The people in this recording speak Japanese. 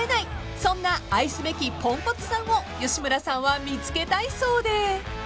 ［そんな愛すべきポンコツさんを吉村さんは見つけたいそうで］